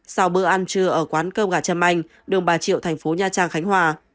sau bữa ăn trưa ở quán cơm gà trâm anh đường bà triệu thành phố nha trang khánh hòa